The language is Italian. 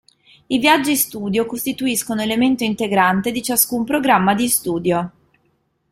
I viaggi studio costituiscono elemento integrante di ciascun programma di studio.